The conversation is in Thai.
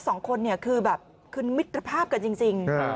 สองคนคือมิตรภาพกันจริง